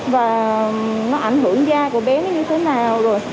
và nó ảnh hưởng da của bé nó như thế nào rồi